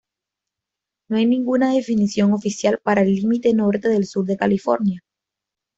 No hay ninguna definición oficial para el límite norte del Sur de California.